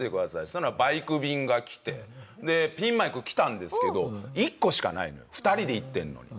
そしたらバイク便が来て。でピンマイク来たんですけど１個しかないのよ２人で行ってるのに。